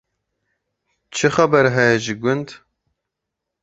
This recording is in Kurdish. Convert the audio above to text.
Çi xeber heye ji gund?